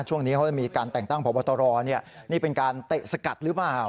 ช่วงนี้เขาจะมีการแต่งตั้งพบตรนี่เป็นการเตะสกัดหรือเปล่า